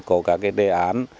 có các đề án